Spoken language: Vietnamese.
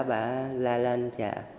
bà la lên trả